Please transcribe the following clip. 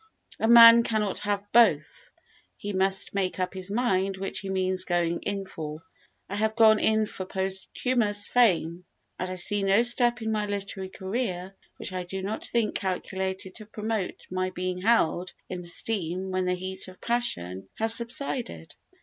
A man cannot have both, he must make up his mind which he means going in for. I have gone in for posthumous fame and I see no step in my literary career which I do not think calculated to promote my being held in esteem when the heat of passion has subsided."